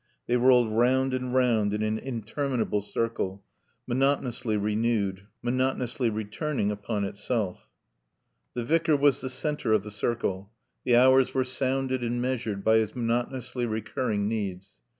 They rolled round and round in an interminable circle, monotonously renewed, monotonously returning upon itself. The Vicar was the center of the circle. The hours were sounded and measured by his monotonously recurring needs.